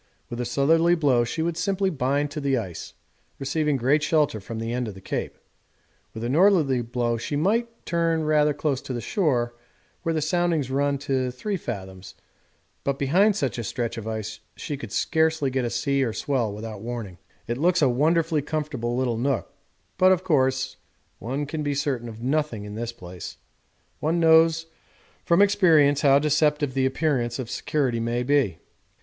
With a southerly blow she would simply bind on to the ice, receiving great shelter from the end of the Cape. With a northerly blow she might turn rather close to the shore, where the soundings run to 3 fathoms, but behind such a stretch of ice she could scarcely get a sea or swell without warning. It looks a wonderfully comfortable little nook, but, of course, one can be certain of nothing in this place; one knows from experience how deceptive the appearance of security may be.